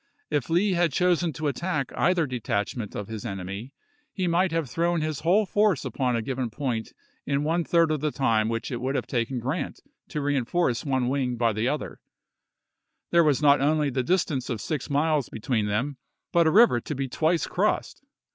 If Lee had chosen to attack either detachment of his enemy, he might have thrown his whole force upon a given point in one third of the time which it would have taken Grant to reenforce one wing by the other — there was not only the distance of six miles between them, but a river to be twice crossed.